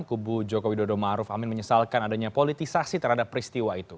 kubu jokowi dodo maruf amin menyesalkan adanya politisasi terhadap peristiwa itu